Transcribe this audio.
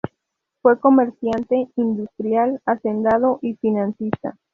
Fue comerciante, industrial, hacendado y financista.